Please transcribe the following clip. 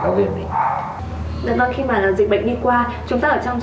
nhiều thầy cô đã phải chuyển hướng sang kinh doanh những lĩnh vực khác để trang trải cuộc sống